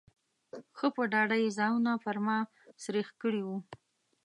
ښه په ډاډه یې ځانونه پر ما سرېښ کړي وو.